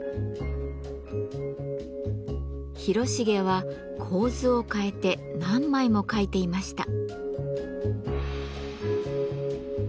広重は構図を変えて何枚も描いていました。